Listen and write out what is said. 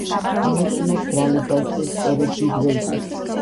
ამაში მათ ბრალი დასდეს სწორედ დიდ ვეზირს.